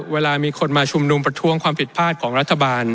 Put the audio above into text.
เวลามีคนมาชุมนุมประท้วงความผิดพลาดของรัฐบาล